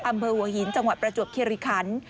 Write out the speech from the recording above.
อำเภอหัวหินจังหวัดประจวบคิริคัน